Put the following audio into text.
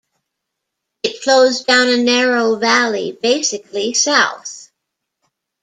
It flows down a narrow valley, basically south.